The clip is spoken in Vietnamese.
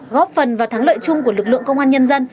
góp phần và thắng lợi chung của lực lượng công an nhân dân